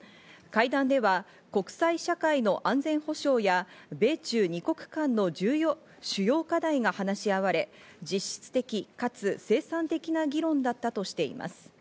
会談では国際社会の安全保障や米中二国間の主要課題が話し合われ、実質的かつ生産的な議論だったとしています。